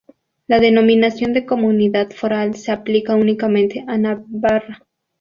La denominación de Comunidad foral se aplica únicamente a Navarra.